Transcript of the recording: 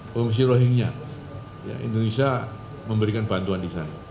pengungsi rohingya indonesia memberikan bantuan di sana